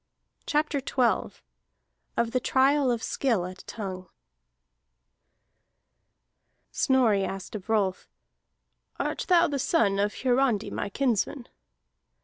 CHAPTER XII OF THE TRIAL OF SKILL AT TONGUE Snorri asked of Rolf: "Art thou the son of Hiarandi my kinsman?"